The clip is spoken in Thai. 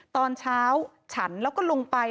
ตอนเช้าฉันแล้วก็ลงไป